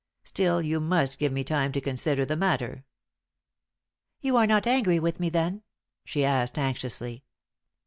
Still, you must give me time to consider the matter." "You are not angry with me, then?" she asked, anxiously.